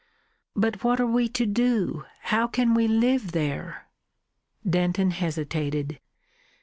"But what are we to do? How can we live there?" Denton hesitated.